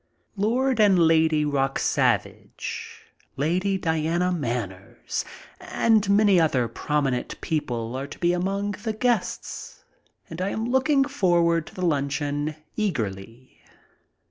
Lord and Lady Rock Savage, Lady Diana Manners, and many other promi nent people are to be among the guests, and I am looking forward to the luncheon eagerly.